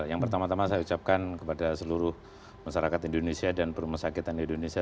yang pertama tama saya ucapkan kepada seluruh masyarakat indonesia dan perumah sakitan indonesia